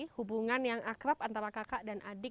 hubungan yang akrab antara kakak dan adik